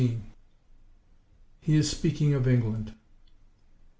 He is speaking of England.